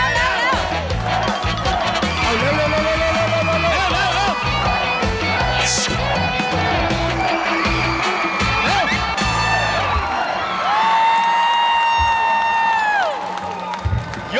ลุย